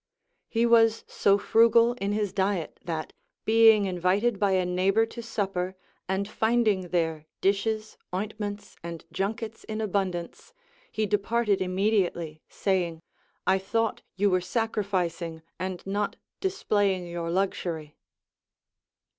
He was so frugal in his diet that, being invited by a neighbor to supper, and finding there dishes, oint ments, and junkets in abundance, he departed imme diately, saying : I thought you were sacrificing, and not displaying your luxury.